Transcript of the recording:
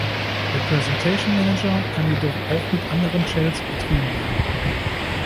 Der Presentation Manager kann jedoch auch mit anderen Shells betrieben werden.